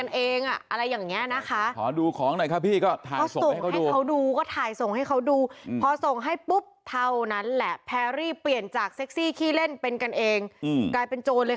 เห็นมีหญิงสาม้าแบบ